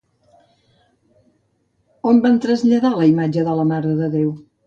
On van traslladar la imatge de la Mare de Déu?